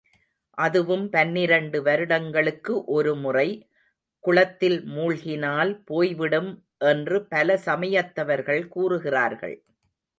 அதுவும் பனிரண்டு வருடங்களுக்கு ஒருமுறை, குளத்தில் மூழ்கினால் போய் விடும் என்று பல சமயத்தவர்கள் கூறுகிறார்கள்.